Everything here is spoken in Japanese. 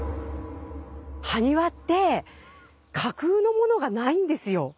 埴輪って架空のものがないんですよ。